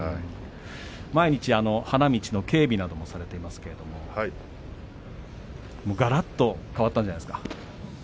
毎日、花道の警備などもされていますけれどもがらっと変わったんじゃないですか？